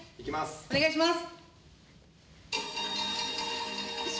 お願いします。